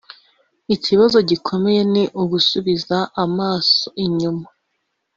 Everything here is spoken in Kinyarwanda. Ikiba gikomeye ni ugusubiza amaso inyuma